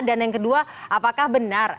dan yang kedua apakah benar